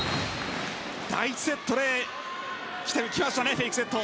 第１セットできましたね、フェイクセット。